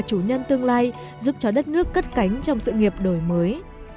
chủ nhân tương lai giúp cho đất nước cất cánh trong sự nghiệp đổi mới